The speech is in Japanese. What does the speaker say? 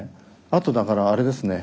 あとだからあれですね